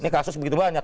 ini kasus begitu banyak